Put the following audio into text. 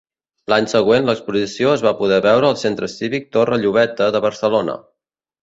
L’any següent l’exposició es va poder veure al centre cívic Torre Llobeta de Barcelona.